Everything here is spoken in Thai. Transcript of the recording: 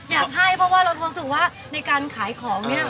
อยากให้เพราะว่าเรารู้สึกว่าในการขายของเนี่ย